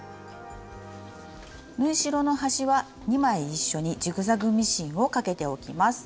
縫い代の端は２枚一緒にジグザグミシンをかけておきます。